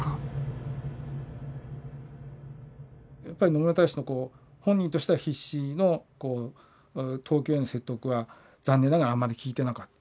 野村大使の本人としては必死の東京への説得は残念ながらあんまり効いてなかった。